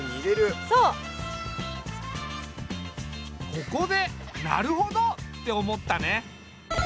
ここで「なるほど！」って思ったね。